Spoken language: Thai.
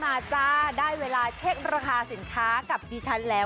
จ้าได้เวลาเช็คราคาสินค้ากับดิฉันแล้ว